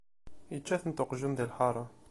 Ičča-ten uqjun di lḥara.